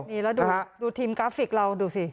นี่แล้วดูทีมกราฟิกเราดูสิ